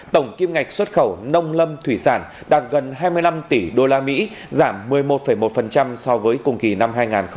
tổng kim ngạch xuất khẩu nông lâm thủy sản đạt gần hai mươi năm tỷ usd giảm một mươi một một so với cùng kỳ năm hai nghìn một mươi tám